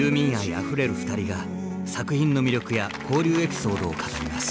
あふれる二人が作品の魅力や交流エピソードを語ります。